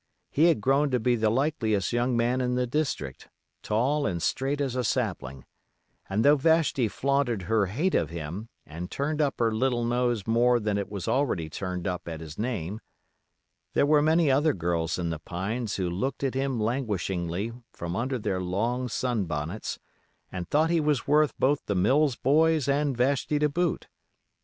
He had grown to be the likeliest young man in the district, tall, and straight as a sapling, and though Vashti flaunted her hate of him and turned up her little nose more than it was already turned up at his name, there were many other girls in the pines who looked at him languishingly from under their long sun bonnets, and thought he was worth both the Mills boys and Vashti to boot.